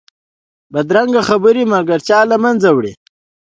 بدرنګه خبرې ملګرتیا له منځه وړي